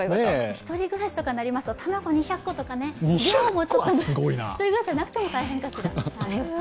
一人暮らしになりますと、卵２００個とかね、一人暮らしじゃなくても大変かしら。